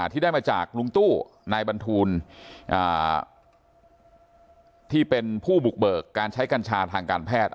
ที่ได้มาจากลุงตู้นายบรรทูลที่เป็นผู้บุกเบิกการใช้กัญชาทางการแพทย์